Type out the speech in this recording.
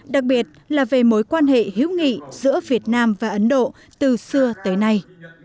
đặc biệt là về mối quan hệ hữu nghị giữa việt nam và ấn độ từ xưa tới nay